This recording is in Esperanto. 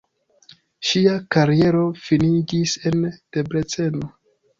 Ŝia kariero finiĝis en Debreceno.